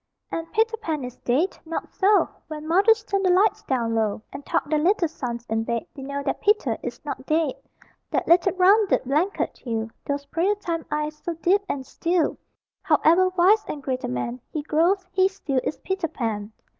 And Peter Pan is dead? Not so! When mothers turn the lights down low And tuck their little sons in bed, They know that Peter is not dead.... That little rounded blanket hill; Those prayer time eyes, so deep and still However wise and great a man He grows, he still is Peter Pan.